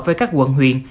với các quận huyện